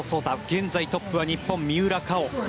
現在トップは日本、三浦佳生。